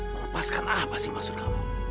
melepaskan apa sih maksud kamu